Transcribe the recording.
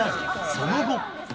その後。